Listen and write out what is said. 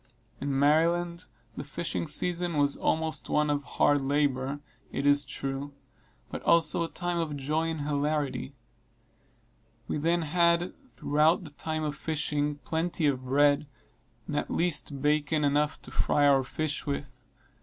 In Maryland, the fishing season was always one of hard labor, it is true, but also a time of joy and hilarity. We then had, throughout the time of fishing, plenty of bread, and at least bacon enough to fry our fish with.